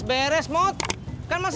nah baru ada lalu gak mau